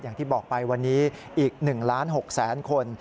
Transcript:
อย่างที่บอกไปวันนี้อีก๑๖๐๐๐๐๐คน